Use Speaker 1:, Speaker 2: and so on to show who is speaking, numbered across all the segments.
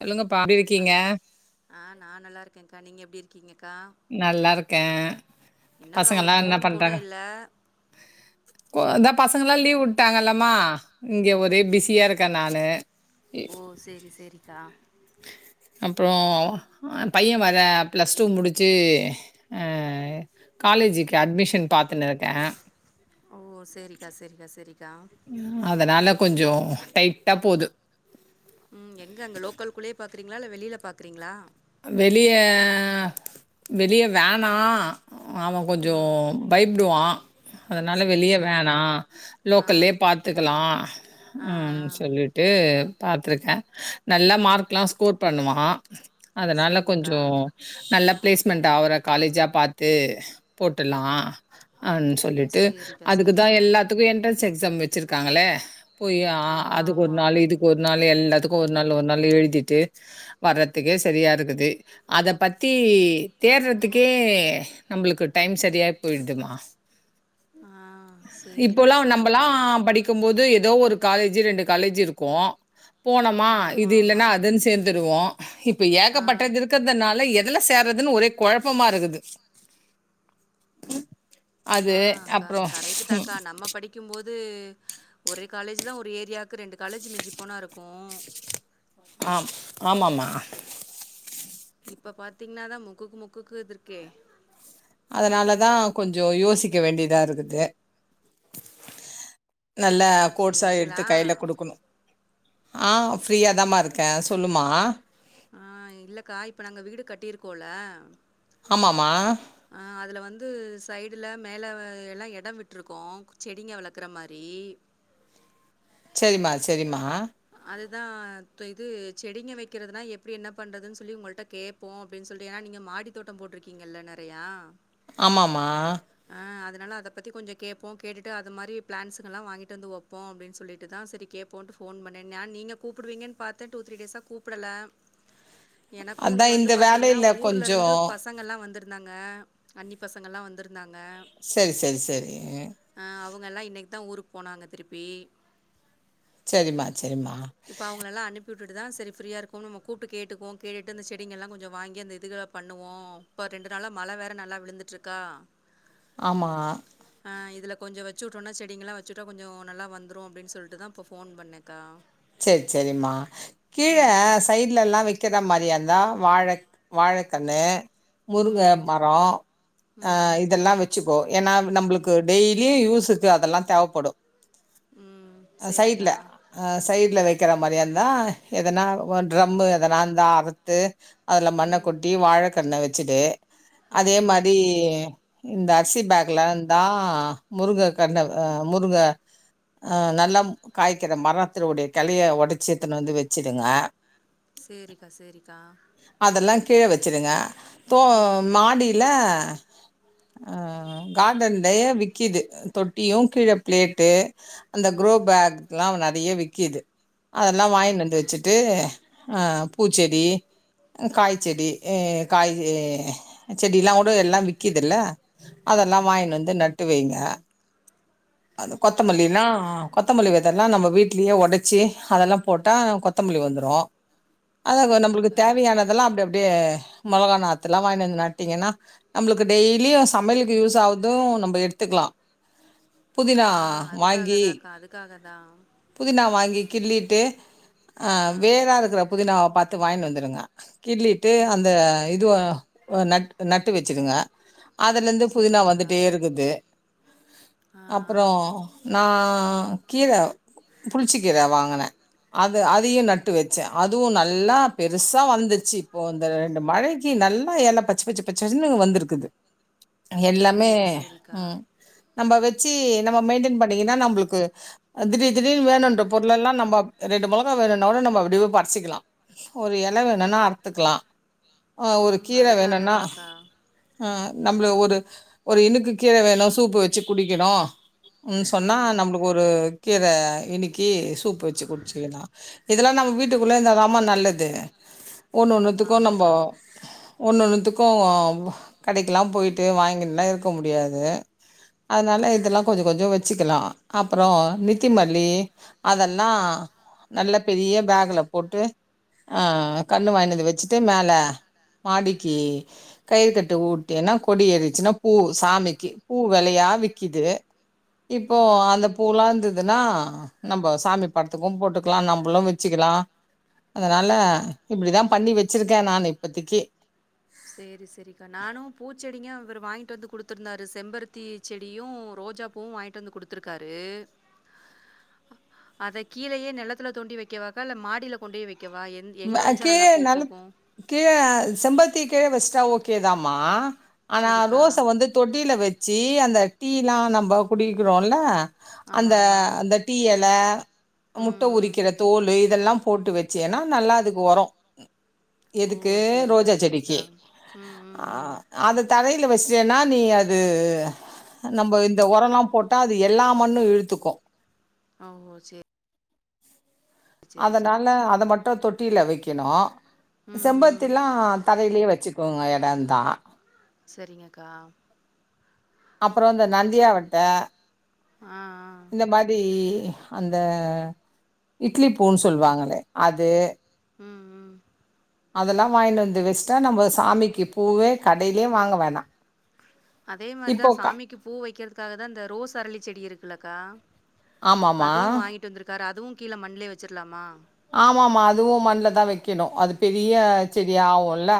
Speaker 1: சொல்லங்கபா எப்டி இருக்கீங்க
Speaker 2: ஆ நா நல்லாயிருக்கங்கா நீங்க எப்டி இருக்கீங்கக்கா
Speaker 1: நல்லா இருக்கே
Speaker 2: என்னக்கா ஒரு ஃபோன் கூட இல்ல
Speaker 1: கோ அதா பசங்கலா லீவு வுட்டாங்கலமா இங்கே ஒரே பிஸியாருக்கே நானு
Speaker 2: ஓ செரி செரிக்கா
Speaker 1: அப்றோ ஆ பைய வர பிளஸ் டூ முடிச் சு ஆ காலேஜிக்கு அட்மிஷன் பாத்துனு இருக்கே
Speaker 2: ஓ செரிகா செரிகா செரிகா
Speaker 1: அதனால கொஞ்சோ டைட்டா போது
Speaker 2: ம் எங்க அங்க லோக்கலுகுள்ளே பாக்குறீங்களா இல்ல வெளில பாக்குறீங்களா
Speaker 1: வெளிய வெளியவேனா ஆமா கொஞ்சோ
Speaker 2: ம்
Speaker 1: பை ப்டுவா அதனால
Speaker 2: சேரி
Speaker 1: வெளிய
Speaker 2: சேரி
Speaker 1: வேணா
Speaker 2: ஆ
Speaker 1: லோக்கல்லே பாத்துக்கலா
Speaker 2: ஆ ஆ
Speaker 1: அம் சொல்லிட் டு பாத்திருக்கே நல்லா மார்க்லா ஸ்கோர் பண்ணுவா அதனால
Speaker 2: சேரிங்கக்கா
Speaker 1: கொஞ்சோ நல்ல பிளேஸ்மெண்ட் ஆவுற காலேஜா பாத்து போட்டுலா அன் சொல்லிட்டு
Speaker 2: சேரிக்கா
Speaker 1: அதுக்குதா
Speaker 2: சேரிக்கா
Speaker 1: எல்லாத் த்துக்கு என்ட்ரன்ஸ் எக்ஸாம் வெச்சிருக்காங்ளே போயி ஆ
Speaker 2: ஆமா
Speaker 1: அதுக்கு ஒரு
Speaker 2: ஆமா
Speaker 1: நாள் இதுக் ஒர் நாள் எல்லாதுக்கு ஒரு நாள் ஒரு நாள் எழுதிட்டு வர்றதுக்கே சரியாருக்குது அத பத்தி தேர்றதுக்கே நம்ளுக்கு டைம் சரியா போய்ருதுமா
Speaker 2: ஆ ஆ சேரிகா சேரிகா
Speaker 1: க்க போது ஏதோ ஒரு காலேஜு ரெண்டு காலேஜு இருக்கு போனமா
Speaker 2: ஆமா
Speaker 1: இது
Speaker 2: ஆமா
Speaker 1: இல்லனா அதுன் சேந்துருவோ இப்போ
Speaker 2: ஆ
Speaker 1: ஏகப்பட்டது இருக்கிற்துனால எ எதுல சேர்றதுன் ஒரே கொழப்பமா இருக்குது அது
Speaker 2: ஆ அக்கா
Speaker 1: அப்புறம்
Speaker 2: கரெக்ட்டு தாகா நம்ம படிக் கிம் போது ஒரே காலேஜ் தா ஒரு ஏரியாக்கு ரெண்டு காலேஜ் மிஞ்சிப்போனாருக்கு
Speaker 1: ஆம் ஆமாமா
Speaker 2: இப்ப பாத்தீங்னாதா முக்குக்கு முக்குக்கு இதுர்க்கே
Speaker 1: அதனாலதா கொஞ்சோ யோசிக்க வேண்டிதா இருக்குது நல்லா
Speaker 2: ம் சரி
Speaker 1: கோட்ஸா
Speaker 2: ஆச்சுங்களா?
Speaker 1: எடுத்து கைல குடுக்கணு ஆ ஃப்ரீயா தாமா இருக்கே சொல்லுமா
Speaker 2: ஆ இல்லகா இப்ப நாங்க வீடு கட்டியிருக்கோல
Speaker 1: ஆமாமா
Speaker 2: ஆ அதுல வந்து சைடுல மேலே எல்லா எடம் விட்ருக்கோ செடிங்க வளக்கிற மாரி
Speaker 1: செரிமா செரிமா
Speaker 2: அதுதா தொ இது செடிங்க வெக்கிறதுனா எப்டி என்ன பண்றதுன் சொல்லி உங்கள்ட கேப் போ அப்டின் சொல்ட்டு ஏன்னா நீங்க மாடி தோட்ட போட்ருக்கீங்கல்ல நெறையா
Speaker 1: ஆமாமா
Speaker 2: ஆ அதனால அத பத்தி கொஞ்சோ கேப்போ கேட்டுடு அது மாரி ப்ளான்ஸுங்ளா வாங்கிட்டு வந்து வப் போ அப்டின் சொல்லிட்டுதா சரி கேபோன்ட்டு ஃபோன் பண்ணே நா நீங்க கூப்டுவீங்கன் பாத்தே டூ த்ரீ டேஸா கூப்டல எனக்கு இங்க
Speaker 1: அதான்
Speaker 2: வந்து
Speaker 1: இந்த
Speaker 2: பாத்தீங்னா
Speaker 1: வேலையில்
Speaker 2: ஊர்லருந்து
Speaker 1: கொஞ்சம்
Speaker 2: ப சங்கள்லா வந்திருந்தாங்க அன்னி பசங்கள்லா வந்திருந்தாங்க
Speaker 1: சரி சரி சரி
Speaker 2: ஆ அவுங்கல்லா இன்னக்கி தா ஊருக் போனாங்க திருப்பி
Speaker 1: சரிம்மா சரிம்மா
Speaker 2: இப்ப அவுங்களலா அனுப் டுட்டு தா சரி ஃபரீயாருக்கு நம்ம கூப்டு கேட்டுகுவோ கேட்டு அந்த செடிங்கெல்லா கொஞ்சொ வாங்கி அந்த இதுக பண்ணுவோ ப்ப ரெண்டு நாளா மழ வேற நல்லா விழுந்துட்ருக்கா
Speaker 1: ஆமா
Speaker 2: ஆ இதுல கொஞ்சோ வச்சுட்டோனா செடிங்கலா வச்சுட்டா கொஞ்சோ நல்லா வந்துரு அப்டின் சொல்டு தா இப்ப ஃபோன் பண்ணக்கா
Speaker 1: செரி செரிம்மா கீழ சைட் ல்ல எல்லா வக்ராமாரியாதா வாழக் வாழக்கன்னு முருங்க
Speaker 2: ம்
Speaker 1: மரோ அ
Speaker 2: ம்
Speaker 1: இதெல்லா வெச்சிகோ ஏனா நம்ளுக்கு டெய்லி யூசுக்கு அதெல்லா தேவப்படு
Speaker 2: ம் சேரிக்கா
Speaker 1: சைடுல அ சைடுல வைக்கற மாரியாந்தா எதனா ஒர் ட்ரம்மு எதனா இந்தா அறுத்து அதுல
Speaker 2: ம்
Speaker 1: மண்ணகொட்டி வாழக்கண்ண வச்சிடு அதே
Speaker 2: ம் ம்
Speaker 1: மாரி இந்த அர்சி பேக்லாந்தா முருக கண்ண ஹ முருங்க அ நல்லா காய்க்கற மரத்தனுடைய கெலய ஒடச்சி எத்துன்னு வந்து வச்சிடுங்க
Speaker 2: சேரிக்கா சேரிக்கா
Speaker 1: அதெல்லா கீழ வெச்சிருங்க ப்போ
Speaker 2: ம்
Speaker 1: மாடில அ கார்டன்லயே விக்கிது தொட்டியு கீழ பிளேட்டு அந்த குரோ
Speaker 2: ம்
Speaker 1: பேக்லா நறைய விக்கிது அதெல்லா வாய்னுவந்து
Speaker 2: சரிங்கக்கா
Speaker 1: வச்சிட்டு ஹ பூச்செடி
Speaker 2: ம்
Speaker 1: காய்செடி ஏ காயி செடி செடிலாகூட எல்லா விக்கி தில்ல அதெல்லா வாயின் வந்து நட்டு வைங்க அது கொத்தமல்லினா கொத்தமல்லி வெதனா நம்ப வீட்லே ஒடச்சி அதெல்லா போட்டா கொத்தமல்லி வந்துரு அத நம்மளுக்கு
Speaker 2: சரிங்கக்கா
Speaker 1: தேவயானதெல்லா அப் அப்டயே மோளகா நாத்துலா வாங்கினு வந்து நட்டீங்கனா நம்ளுக்கு டெய்லி சமைலுக்கு யூஸ் ஆவுது நம்ப எடுத்துக்கலா புதினா
Speaker 2: ஆ
Speaker 1: வாங்கி
Speaker 2: அதுக்காகதா கா அதுக்காக தா
Speaker 1: புதினா வாங்கி கிள்ளிட்டு ஆ வேராருக்குற புதினாவ பாத்து வாய்ன் வந்துருங்க கிள்ளிட்டு
Speaker 2: ம்
Speaker 1: அந்த
Speaker 2: ம்
Speaker 1: இதுவ அ நட் நட்டு வெச்சிருங்க அதுலருந்து புதினா
Speaker 2: சரிங்கக்கா
Speaker 1: வந்துட்டே இருக்குது
Speaker 2: ஆ ஆ
Speaker 1: அப்றோ நா கீர புள்ச்ச கீர வாங்குனே அது அதையு நட்டு வெச்சே அதுவு நல்லா பெருசா வந்துர்ச்சு இப்போ இந்த ரெண்டு மழை கி நல்லா எல பச்ச பச்ச பச்சனு வந்திருக்குது எல்லாமே
Speaker 2: சேரி சேரிக்கா
Speaker 1: ம் நம்ப வெச்சி நம்ப மெயின்டன் பண்ணீகினா நம்ளுக்கு திடீர் திடீர்னு வேணுன்ற பொருள்லல்லா நம்பப் ரெண்டு மொளகா வேணுனாஓட நம்ப அப்டியே பர்சிகலா ஒரு எல வேணுனா அர்த்துகலா ஆ ஒரு
Speaker 2: ம்
Speaker 1: கீர
Speaker 2: அதுக்காக
Speaker 1: வேணுன்னா
Speaker 2: தாக்கா
Speaker 1: ஆ நம்மள ஒரு ஒரு இனுக்கு கீர வேணு சூப்பு வச்சி குடிக்கணு ம் சொன்னா நம்ளுக்கு ஒரு கீர இனிக்கி சூப்பு வச்சி குடிச்சிகலா இதெல்லா நம் வீட்டுக்குள்ளே இந்தா தாமா நல்லது ஒண்ஒண்ணுத்துகு நம்போ
Speaker 2: ஆமாக்கா
Speaker 1: ஒண்ஒண்ணுத்துகு கடைகிலா போய்ட்டு வாங்கின்லா இருக்க முடியாது அதனால இதெல்லா கொஞ்ஜோ கொஞ்ஜோ வச்சிக்கலா அப்ரோ நித்திமல்லி அதெல்லா நல்ல பெரிய பேகுல போட்டு ஆ கன்னு வாய்னுவந்து வச்சிட்டு மேல மாடிகி கயிறு கட்டு உட்டேனா கொடி ஏறிச்சினா பூ சாமிக்கு பூ வெலையா விக்கிது இப்போ
Speaker 2: ஆ
Speaker 1: அந்த பூலாந்ததுனா நம்ப சாமி படத்துக்கு போட்டுக்கலா நம்பலு வெச்சிக்கலா அதனால இப்டிதா பண்ணி வெச்சிருக்கே நானு இப்பதைக்கி
Speaker 2: சேரி சேரிக்கா நானு பூச்செடிங்க இவரு வாங்கிட்டு வந்து குடுத்திருந்தாரு செம்பருத்தி செடியு ரோஜா பூவு வாங்கிட்டு வந்து குடுத்திருக்காரு அ அத கீழயே நெலத்துல தோண்டி வெக்கவாக்கா இல்ல மாடில கொண்டோய் வெக்கவா எந்
Speaker 1: ம்
Speaker 2: எங்க வெச்சா
Speaker 1: கீழ
Speaker 2: நல்லா பூ
Speaker 1: நெலத்
Speaker 2: பூக்கு
Speaker 1: கீழ செம்பருத்தி கீழ வெச்ட்டா ஓகே தாமா ஆனா
Speaker 2: சரிக்கா.
Speaker 1: ரோஸ வந்து தொட்டில வெச்சி அந்த டீலா நம்ப குடிக்கிறோல
Speaker 2: ஆமா,
Speaker 1: அந்த
Speaker 2: ஆமா.
Speaker 1: அந்த டீ எல அ முட்ட
Speaker 2: ம், ம்.
Speaker 1: உரிக்கிற தோலு இதெல்லா போட்டு வெச்சேனா நல்லா அதுக்கு ஒரோ
Speaker 2: ஓ!
Speaker 1: எதுக்கு
Speaker 2: சரிக்கா,
Speaker 1: ரோஜா
Speaker 2: சரிக்கா.
Speaker 1: செடிக்கு
Speaker 2: ம், ம்,
Speaker 1: ஆ
Speaker 2: ம்.
Speaker 1: அத தரைல வெச்சிட்டேனா நீ அது நம்ப இந்த ஒரோலா போட் ட்டா அது எல்லா மண்ணு இழுத்துக்கு
Speaker 2: ஆ ஓ சே சரி.
Speaker 1: அதனால அத மட்டு தொட்டில வெக்கணு
Speaker 2: ம், ம்.
Speaker 1: செம்பருத்திலா தரைலே வச்சுக் கோங்க எட இருந்தா
Speaker 2: செரிங்கக்கா
Speaker 1: அப்றோ இந்த நந்தியாவட்ட
Speaker 2: ஆ ஆ
Speaker 1: இது மாதி அந்த இட்லி பூன்னு சொல்லுவாங்களே அது
Speaker 2: ம் ம்
Speaker 1: அதெல்லா வாங்கினு வந்து வெச்ட்டா நம்ப சாமிக்கு பூவே கடைலே வாங்க வேணா
Speaker 2: அதே மாரிதா
Speaker 1: இப்போ க
Speaker 2: சாமிக்கு பூ வெக்கிறதுக்காக தா இந்த ரோஸ் அரளிச் செடி இருக்குல்லக்கா
Speaker 1: ஆமாமா
Speaker 2: அதுவு வாங்கிட்டு வந்திருக்காரு அதுவு கீழ மண்லே வெச்சிர்லாமா
Speaker 1: ஆமாம்மா அதுவு மண்ல தா வெக்கணு அது பெரிய செடி ஆவுல்ல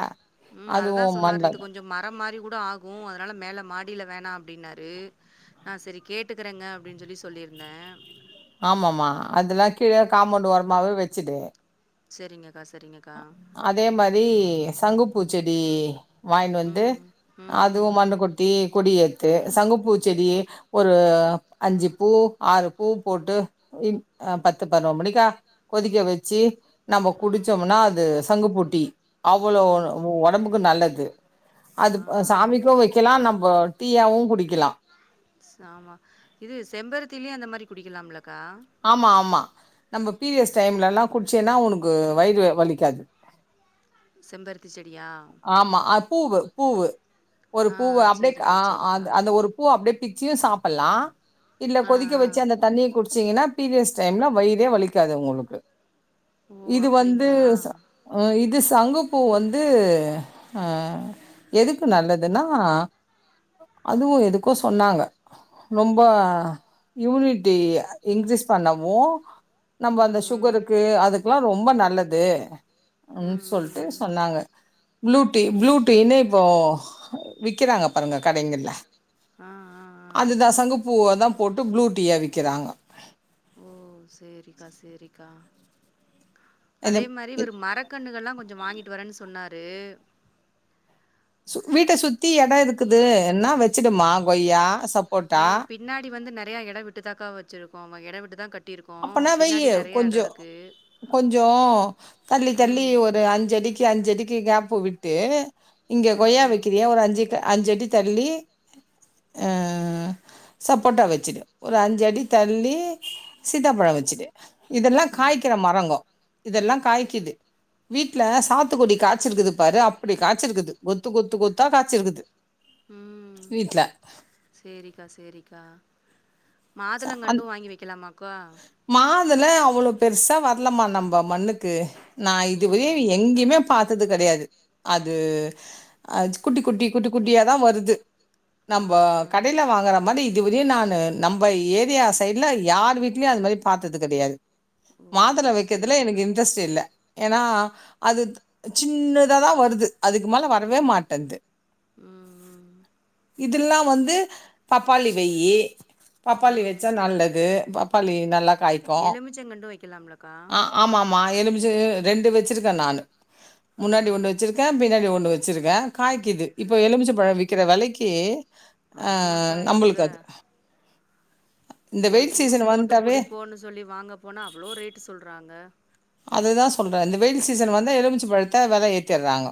Speaker 2: ம் அததா சொன்னாரு இது கொஞ்ச மர மாரி கூட ஆகு அதுனால மேல மாடில வேணா அப்டின்னாரு ஆ சேரி கேட்டுக்கிறேங்க அப்டின் சொல்லி சொல்லிருந்தே
Speaker 1: ஆமாம்மா அதெல்லா கீழ காமோண்டு ஓரமாவே வெச்சுடு
Speaker 2: சேரிங்கக்கா சேரிங்கக்கா
Speaker 1: அதே மாரி சங்குப்பூ செடி வாய்ன்ட்டு வந்து
Speaker 2: ம், ம்,
Speaker 1: அதுவு
Speaker 2: ம்,
Speaker 1: மண்ணு கொட்டி கொடி ஏத்து சங்குப்பூச்செடி ஒரு அஞ்சு பூ ஆறு பூ போட்டு ம் ஆ பத்து பதுனொரு மணிக்கா கொதிக்க வெச்சி நம்ம குடி
Speaker 2: ம்,
Speaker 1: னா அது சங்குப்பூ டீ அவ்ளோ
Speaker 2: ம்.
Speaker 1: ஒ ஒடம்புக்கு நல்லது அது
Speaker 2: ஆ.
Speaker 1: ப் சாமிக்கு வைக்கலா நம்ப டீயாவு குடிக்கலா
Speaker 2: சாமா இது செம்பருத்திலயு அந்த மாரி குடிக்கலாம்லக்கா
Speaker 1: ஆமா ஆமா நம்ம பீரியட்ஸ் டைம்லல்லா குச்சேன்னா ஒனக்கு வயிறு வலிக்காது
Speaker 2: செம்பருத்தி செடியா
Speaker 1: ஆமா அது பூவு பூவு ஒரு
Speaker 2: ஆ
Speaker 1: பூவு அப்டியே க ஆ
Speaker 2: சரிக்கா, சரிக்கா.
Speaker 1: அந் அந்த ஒரு பூவ அப்டியே பிச்சியு சாப்புட்லா இல்ல
Speaker 2: ஆ,
Speaker 1: கொதிக்க
Speaker 2: ஆ.
Speaker 1: வெச்சு அந்த தண்ணிய குடிச் ச்சீங்கனா பீரியட்ஸ் டைம்ல வயிறே வலிக்காது ஒங்களுக்கு
Speaker 2: ஓ!
Speaker 1: இது வந்து
Speaker 2: அப்டிங்களா?
Speaker 1: ச அ இது சங்குப்பூ வந்து து ஆ எதுக்கு நல்லதுனா அதுவு எதுக்கோ சொன்னாங்க ரொம்ப இம்யூனிட்டி இங்க்ரீஸ் பண்ணவு நம்ப அந்த
Speaker 2: ம், ம்.
Speaker 1: சுகருக்கு அதுக்குலா ரொம்ப நல்லது ன்
Speaker 2: ம், ம்,
Speaker 1: சொல்ட்டு
Speaker 2: ம்.
Speaker 1: சொன்னாங்க ப்ளூ டீ ப்ளூ டீனு இப்போ விக்கறாங்க பாருங்க கடைங்கல்ல
Speaker 2: ஆ ஆ ஆ.
Speaker 1: அதுதா சங்குப் பூவ தா போட்டு ப்ளூ டீயா விக்கறாங்க
Speaker 2: ஓ சேரிக்கா சேரிக்கா
Speaker 1: இந்த
Speaker 2: அதே மாரி ஒரு
Speaker 1: இத்-
Speaker 2: மரக் கண்ணுகல்லா கொஞ்சோ வாங்கிட்டு வரன் சொன்னாரு
Speaker 1: சு வீட்ட சுத்தி எடோ இருக்குது என்னா வச்சிடுமா கொய்யா
Speaker 2: ஆ
Speaker 1: சப்போட்டா
Speaker 2: பின்னாடி வந்து நறையா எட விட்டுதாக்கா வச்சிருக்கோ ஆமா எட விட்டுதா கட் டிருக்கோ பின்னாடி நறையா எடோ இருக்கு
Speaker 1: கொஞ்சோ தள்ளி தள்ளி
Speaker 2: ம்.
Speaker 1: ஒரு அஞ்சடி க்கு அஞ்சடிக்கு கேப்பு விட்டு இங்க
Speaker 2: ம்,
Speaker 1: கொய்யா
Speaker 2: ம்.
Speaker 1: வைக்கிறியா ஒரு அஞ்சுக்கா அஞ்சடி தள்ளி சப்போட்டா வச்சுடு ஒரு அஞ்சடி தள்ளி சீதாப்பழோ வச்சுட்டு இதெல்லா
Speaker 2: ஆ.
Speaker 1: காய்க்கிற மரங்கோ இதெல்லா காய்க்குது வீட்ல சாத்துக்கொடி காய்ச்சிருக்குது பாரு அப்படி காய்ச்சிருக்குது கொத்து கொத்து கொத்தா காய்ச்சிருக்குது வீட்ல
Speaker 2: சேரிக்கா சேரிக்கா மாதுளங்கண்டு வாங்கி வைக்கலாமாக்கா
Speaker 1: மாதுல அவ்ளோ பெருசா வரலமா நம்ப மண்ணுக்கு நா
Speaker 2: ஓ!
Speaker 1: இதுவரையு எங்கேயுமே பாத்தது கடையாது அது அத் குட்டி குட்டி குட்டி குட்டியாதா வருது
Speaker 2: ஆ,
Speaker 1: நம்ப
Speaker 2: ஆ.
Speaker 1: கடைல வாங்கற மாரி இதுவரையு நானு நம் ப ஏரியா சைடுல யார் வீட்லயு அது மாரி பாத்தது கடையாது
Speaker 2: ஓ!
Speaker 1: மாதுள வைக்கதுல
Speaker 2: சரிக்கா.
Speaker 1: எனக்கு இன்ட்ரெஸ்ட் இல்ல ஏனா அது சின்னதாதா வருது அதுக்கு மேல வரவே மாட்டன்து
Speaker 2: ம், ம்.
Speaker 1: இதல்லா வந்து பப்பாளி வையி பப்பாளி
Speaker 2: ம்.
Speaker 1: வச்சா நல்லது பப்பாளி நல்லா காய்
Speaker 2: எலுமிச்சங்கண்டு வைக்கலாம்லக்கா
Speaker 1: ஆமா ஆமா எலுமிச்ச ரெண்டு வச்சுருக்க நானு முன்னாடி ஒன்னு
Speaker 2: ஆ.
Speaker 1: வச்சுருக்க பின்னாடி ஒன்னு வச்சுருக்க காய்க்குது இப்ப எலுமிச்ச பழோ விக்கிற வெலைக்கி ஆ
Speaker 2: ஆமாக்கா எங்க
Speaker 1: நம்பளுக்கு அது இந்த
Speaker 2: ஒரு
Speaker 1: வெயில்
Speaker 2: ஜூஸ்
Speaker 1: சீசன்
Speaker 2: போட்டு
Speaker 1: வந்துட்டாவே
Speaker 2: குடிப்போன்னு சொல்லி வாங்க போனா அவ்ளோ ரேட்டு் சொல்றாங்க
Speaker 1: அதுதா சொல்ற இந்த வெயில் சீசன் வந்தா எலுமிச்ச பழத்த வெல ஏத்திடுறாங்க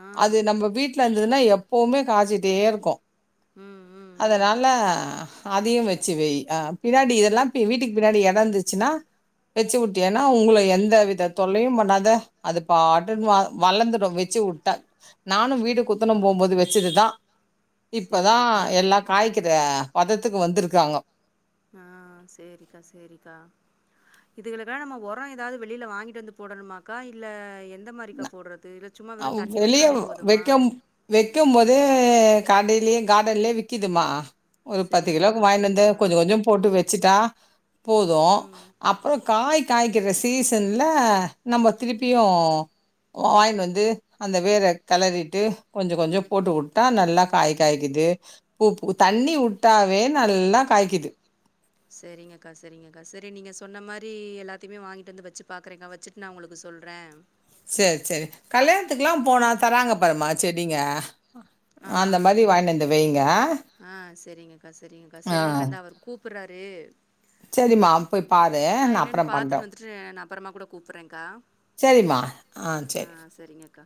Speaker 2: ஆ
Speaker 1: அது நம்ம வீ ட்ல இருந்ததுன்னா எப்பவுமே காய்சிட்டே இருக்கு
Speaker 2: ம் ம் ம்
Speaker 1: அதனால அதயு வச்சு வெய் அ பின்னாடி இதெல்லா வீட்டுக்கு பின்னாடி எடோ இருந்துச்சுன்னா வெச்சு உட்டயன்னா உங்கள எந்த த வித தொல்லையும் பண்ணாத அது பாட்டுன்னு வ வளர்ந்துடு வெச்சு விட்ட நானு வீடு குத்தணோம் போம்போது வெச்சதுதா இப்பதா
Speaker 2: சேரிக்கா
Speaker 1: எல்லா
Speaker 2: சேரிக்கா
Speaker 1: காய்குது பதத்துக்கு வந்துருக்காங்கோ
Speaker 2: ஆ சேரிக்கா சேரிக்கா இதுகலுக்க நம்ம ஒரோ ஏதாவது வெளியில வாங்கிட்டு வந்து போடணுமாக்கா இல்ல எந்த
Speaker 1: ந
Speaker 2: மாரிக்கா போடறது இல்ல சும்மா வெறு தண்ணி ஊத்துனாலே போதமா
Speaker 1: வெக்கும்போதே கடையிலியு கார்டன்லே விக்கிதுமா ஒரு பத்து கிலோக்கு
Speaker 2: செரிங்கக்கா
Speaker 1: வாங்கின் வந்து
Speaker 2: செரிங்கக்கா
Speaker 1: கொஞ்சோ கொஞ்சோ போட்டு வெச்சுட்டா போது
Speaker 2: ம்
Speaker 1: அப்போ காய் காய்க்கிற சீசன்ல நம்போ திருப்பியு வாங்கின் வந் து அந்த வேற கெளறிட்டு கொஞ்ச கொஞ்சோ போட்டு உட்டா நல்லா காய் காய்க்குது பூப்பூ தண்ணி உட்டாவே நல்லா காய்க்குது
Speaker 2: செரிங்கக்கா செரிங்கக்கா செரி நீங்க சொன்ன மாரி எல்லாத்தையுமே வாங்கிட்டு வந்து வச்சு பாக்குறேங்கா வச்சு நா உங்களுக்கு சொல்ற
Speaker 1: சேரி சேரி கல்யாணத்துக்குல்லா போனா தராங்க பாருமா செடிங்க
Speaker 2: ஆமா
Speaker 1: அந்த மாரி வாங்கின்னு வந்து வைங்க.
Speaker 2: ஆ செரிங்கக்கா செரிங்கக்கா
Speaker 1: ஆ
Speaker 2: செரிங்கக்கா த அவர் கூப் கூப்பட்றாரு
Speaker 1: சரிம்மா போய் பாரு.
Speaker 2: நா
Speaker 1: நான்
Speaker 2: என்னன்னு
Speaker 1: அப்புறம்
Speaker 2: பாத்துட்டு
Speaker 1: பண்றேன்.
Speaker 2: வந்துட்டு நா அப்பறமா கூட கூப்பறேக்கா
Speaker 1: சேரிமா ஆ சேர்
Speaker 2: ஆ செரிங்கக்கா